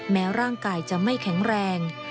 แม้ร่างกายจะไม่แข็งแรง